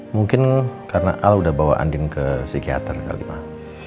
mungkin karena al udah bawa anin ke psikiater kali mak